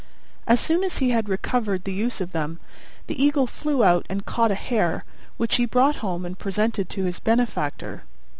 As soon as he had recovered the use of them, the Eagle flew out and caught a hare, which he brought home and presented to his benefactor.